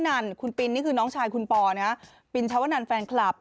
นั่นคุณปินนี่คือน้องชายคุณปอนะฮะปินชาวนันแฟนคลับ